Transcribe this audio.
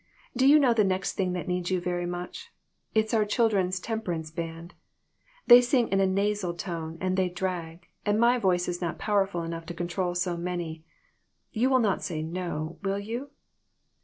"Do you know the next thing that needs you very much ? It is our Children's Temperance Band. They sing in a nasal tone, and they drag, and my voice is not powerful enough to control so many. You will not say 'no,' will you?"